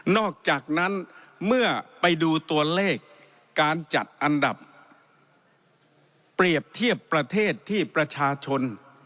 อกจากนั้นเมื่อไปดูตัวเลขการจัดอันดับเปรียบเทียบประเทศที่ประชาชน